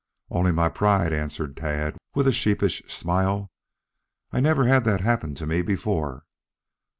"Only my pride," answered Tad, with a sheepish smile. "I never had that happen to me before."